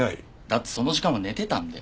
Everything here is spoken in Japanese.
だってその時間は寝てたんで。